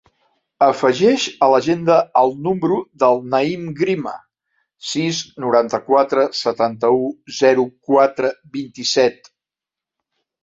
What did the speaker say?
Afegeix a l'agenda el número del Naïm Grima: sis, noranta-quatre, setanta-u, zero, quatre, vint-i-set.